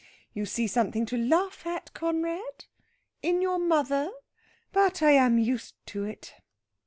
You see something to laugh at, Conrad? In your mother! But I am used to it."